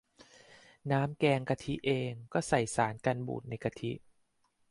น้ำแกงกะทิเอง ก็ใส่สารกันบูดในกะทิ